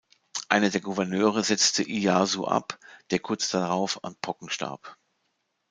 Einer der Gouverneure setzte Iyasu ab, der kurz darauf an Pocken starb.